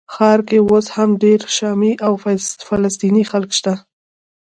ښار کې اوس هم ډېر شامي او فلسطیني خلک شته.